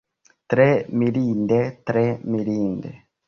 Tre mirinde, tre mirinde!